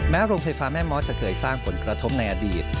โรงไฟฟ้าแม่ม้อจะเคยสร้างผลกระทบในอดีต